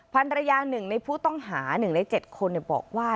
ภรรยา๑ในผู้ต้องหา๑ใน๗คนบอกว่า